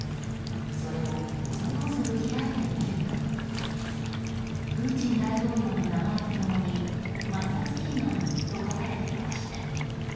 それをおそるおそる開いてみるとプーチン大統領の名前と共に抹殺祈願と書かれていました。